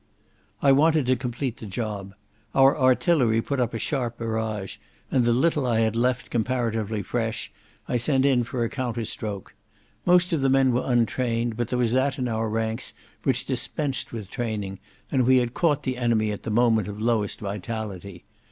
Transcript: I wanted to complete the job. Our artillery put up a sharp barrage, and the little I had left comparatively fresh I sent in for a counter stroke. Most of the men were untrained, but there was that in our ranks which dispensed with training, and we had caught the enemy at the moment of lowest vitality.